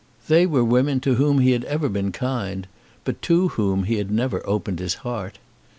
They were women to whom he had ever been kind, but to whom he had never opened his heart.